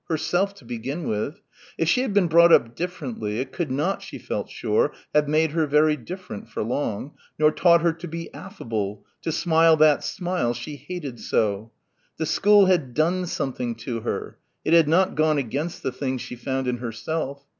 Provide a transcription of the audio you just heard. Herself to begin with. If she had been brought up differently, it could not, she felt sure, have made her very different for long nor taught her to be affable to smile that smile she hated so. The school had done something to her. It had not gone against the things she found in herself.